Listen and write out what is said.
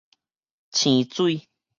瀳水